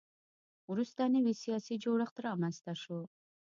وروسته نوی سیاسي جوړښت رامنځته شو.